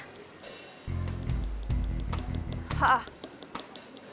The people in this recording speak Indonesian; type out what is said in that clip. lo udah dimana